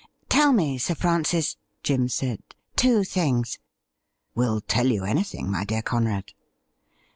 ' Tell me, Sir Francis,' Jim said, ' two things.' ' Will tell you anything, my dear Conrad.'